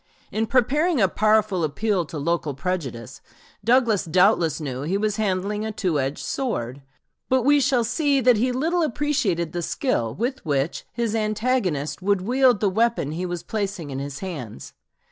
In preparing a powerful appeal to local prejudice, Douglas doubtless knew he was handling a two edged sword; but we shall see that he little appreciated the skill with which his antagonist would wield the weapon he was placing in his hands.